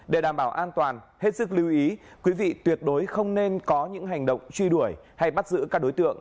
để đảm bảo an toàn hết sức lưu ý quý vị tuyệt đối không nên có những hành động truy đuổi hay bắt giữ các đối tượng